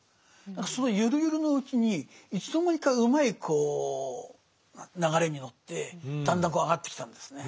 そのゆるゆるのうちにいつの間にかうまいこう流れに乗ってだんだんこう上がってきたんですね。